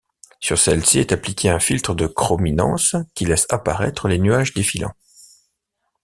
Sur celles-ci est appliquée un filtre de chrominance qui laisse apparaître les nuages défilant.